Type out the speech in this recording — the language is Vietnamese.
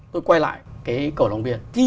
tôi quay lại cái cổ lòng biển khi